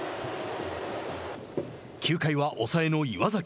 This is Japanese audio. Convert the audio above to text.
９回は抑えの岩崎。